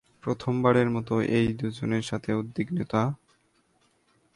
প্রথমবারের মতো এই দুজনের সাথে উদ্বিগ্নতা এবং দ্বিতীয়বার প্রেমের সম্পর্কের মধ্য দিয়ে।